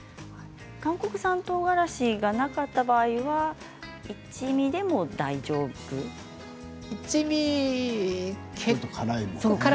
韓国産のとうがらしがなかった場合は一味でも大丈夫ですか。